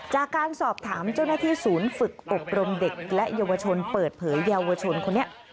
จากการสอบถามเจ้าหน้าที่ศูนย์ฝึกอบรมเด็กและเยาวชนเปิดเผยเยาวชนคนนี้